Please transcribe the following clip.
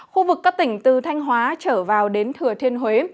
khu vực các tỉnh từ thanh hóa trở vào đến thừa thiên huế